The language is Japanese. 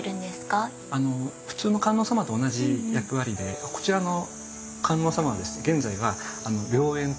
普通の観音様と同じ役割でこちらの観音様はですね